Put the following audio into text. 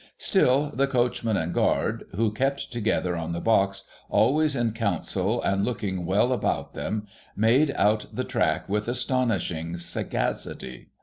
Still the coachman and guard— who kept together on the box, always in council, and looking well about them — made out the track with astonishing sagacity.